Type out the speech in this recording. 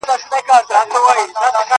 هغه اوس زما مور ته له ما څخه شکوه نه کوي~